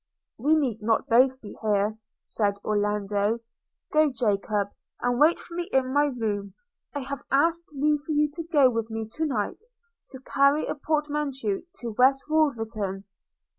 'We need not both be here,' said Orlando: 'go, Jacob, and wait for me in my room: I have asked leave for you to go with me to night to carry a portmanteau to West Wolverton.'